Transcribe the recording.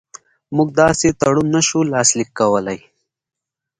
موږ داسې تړون نه شو لاسلیک کولای.